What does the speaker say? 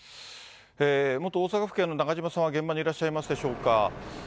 元大阪府警の中島さんは、現場にいらっしゃいますでしょうか。